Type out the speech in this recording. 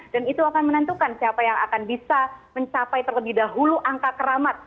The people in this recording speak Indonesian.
dan itu akan menentukan siapa yang akan bisa mencapai terlebih dahulu angka keramat